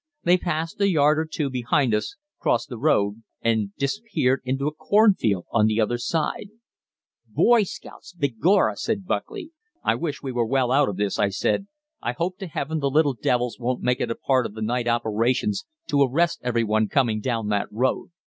They passed a yard or two behind us, crossed the road, and disappeared into a corn field on the other side. "Boy scouts, begorra," said Buckley. "I wish we were well out of this," I said. "I hope to heaven the little devils won't make it part of the night operations to arrest every one coming down that road.